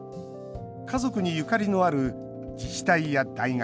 家族にゆかりのある自治体や大学